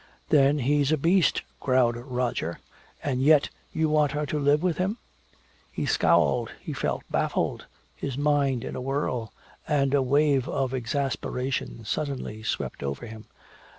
"Then he's a beast," growled Roger. "And yet you want her to live with him?" He scowled, he felt baffled, his mind in a whirl. And a wave of exasperation suddenly swept over him.